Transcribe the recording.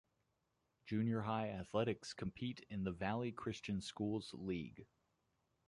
Junior high athletics compete in the Valley Christian Schools League.